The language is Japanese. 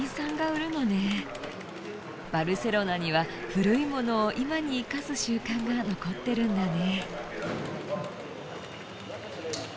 バルセロナには古いものを今に生かす習慣が残ってるんだね。